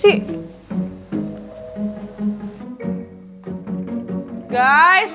pasti pada fakir kuota nih